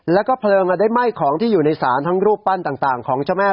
แล้วก็เพลิงได้ไหม้ของที่อยู่ในศาลทั้งรูปปั้นต่างของเจ้าแม่